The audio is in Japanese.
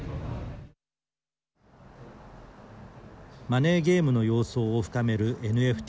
マネーゲームの様相を深めるＮＦＴ。